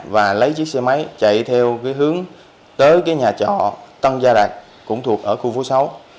và lấy chiếc xe máy chạy theo cái hướng tới cái nhà trọ tân gia đạt cũng thuộc ở khu vô sáu